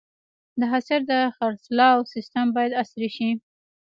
د حاصل د خرڅلاو سیستم باید عصري شي.